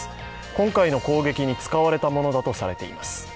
今回の攻撃に使われたものだとされています。